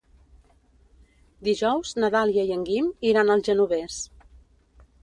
Dijous na Dàlia i en Guim iran al Genovés.